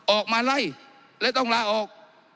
ออกมาไล่และต้องลาออก